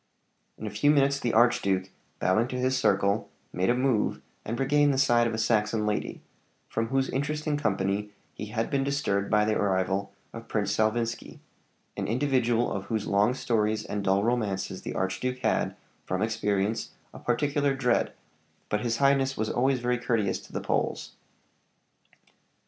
In a few minutes the archduke, bowing to his circle, made a move and regained the side of a Saxon lady, from whose interesting company he had been disturbed by the arrival of Prince Salvinski an individual of whose long stories and dull romances the archduke had, from experience, a particular dread; but his highness was always very courteous to the Poles.